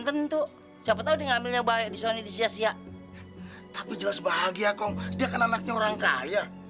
tentu siapa tahu dengan banyak disini sia sia tapi jelas bahagia kong dia kan anaknya orang kaya